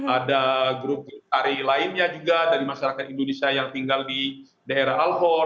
ada grup tari lainnya juga dari masyarakat indonesia yang tinggal di daerah al holm